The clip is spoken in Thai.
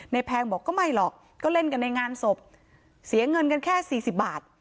แพงบอกก็ไม่หรอกก็เล่นกันในงานศพเสียเงินกันแค่สี่สิบบาท